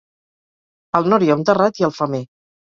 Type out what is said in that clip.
Al nord hi ha un terrat i el femer.